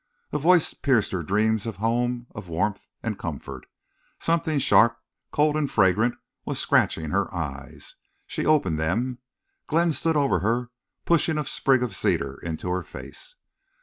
A voice pierced her dreams of home, of warmth and comfort. Something sharp, cold, and fragrant was scratching her eyes. She opened them. Glenn stood over her, pushing a sprig of cedar into her face.